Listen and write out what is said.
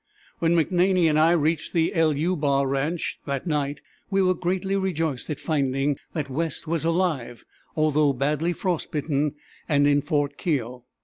When McNaney and I reached the =LU= bar ranch that night we were greatly rejoiced at finding that West was alive, although badly frost bitten, and in Fort Keogh.